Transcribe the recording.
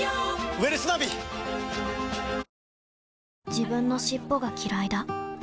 自分の尻尾がきらいだ